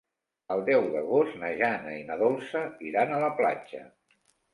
El deu d'agost na Jana i na Dolça iran a la platja.